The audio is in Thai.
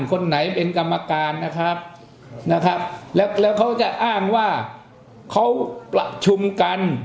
คนไหนเป็นกรรมการนะครับนะครับแล้วเขาจะอ้างว่าเขาประชุมกัน